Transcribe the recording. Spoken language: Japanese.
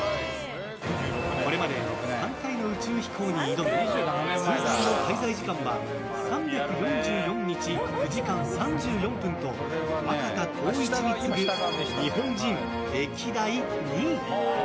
これまで３回の宇宙飛行に挑み通算の滞在時間は３４４日９時間３４分と若田光一に次ぐ日本人歴代２位！